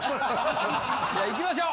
じゃあいきましょう！